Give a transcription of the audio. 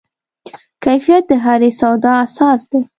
کیفیت د هرې سودا اساس دی.